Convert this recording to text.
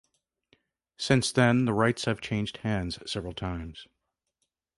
Since then, the rights have changed hands several times.